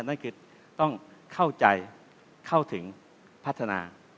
นั่นคือต้องเข้าใจเข้าถึงพัฒนา